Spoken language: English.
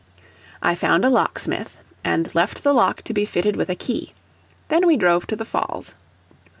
I found a locksmith and left the lock to be fitted with a key; then we drove to the Falls.